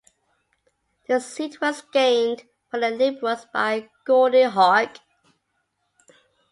The seat was gained for the Liberals by Gordie Hogg.